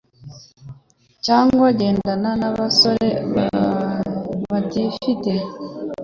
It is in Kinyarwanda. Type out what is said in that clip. cyangwa agendana n'abasore batifite